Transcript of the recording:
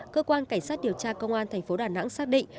cơ quan cảnh sát điều tra công an thành phố đà nẵng xác định